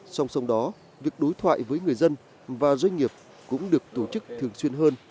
song song đó việc đối thoại với người dân và doanh nghiệp cũng được tổ chức thường xuyên hơn